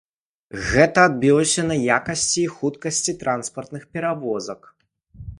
Гэта адбілася на якасці і хуткасці транспартных перавозак.